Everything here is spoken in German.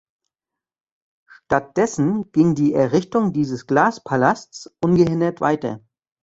Stattdessen ging die Errichtung dieses Glaspalasts ungehindert weiter.